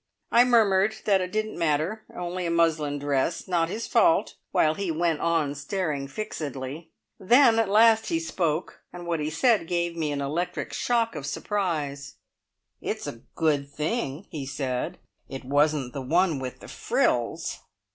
I murmured that it didn't matter only a muslin dress not his fault, while he went on staring fixedly. Then at last he spoke, and what he said gave me an electric shock of surprise. "It's a good thing," he said, "it wasn't the one with the frills!"